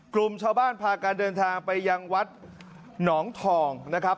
กลุ่มชาวบ้านพาการเดินทางไปยังวัดหนองทองนะครับ